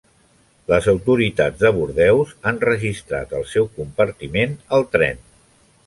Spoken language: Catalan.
Les autoritats de Bordeus han registrat el seu compartiment al tren.